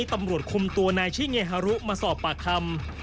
ตำรวจคุมตัวนายชิเงฮารุมาสอบปากคำ